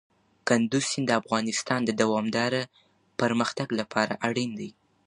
کندز سیند د افغانستان د دوامداره پرمختګ لپاره اړین دی.